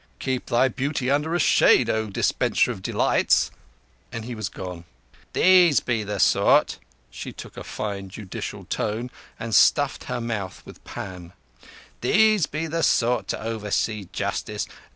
Keep thy beauty under a shade—O Dispenser of Delights," and he was gone. "These be the sort"—she took a fine judicial tone, and stuffed her mouth with pan—"These be the sort to oversee justice.